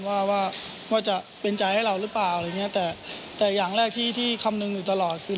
ว่าจะเป็นใจให้เรารึเปล่าแต่อย่างแรกที่คำนึงอยู่ตลอดคือ